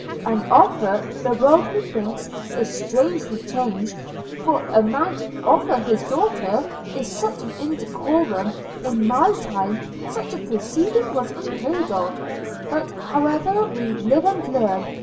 An offer! – The world methinks is strangely changed! – For a man to offer his daughter – is such an indecorum – In my time such a proceeding was unheard of – But however we live and learn!